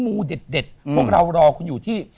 ูเด็ดพวกเรารอคุณอยู่ที่